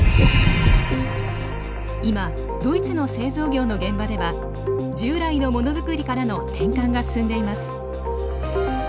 今ドイツの製造業の現場では従来のモノづくりからの転換が進んでいます。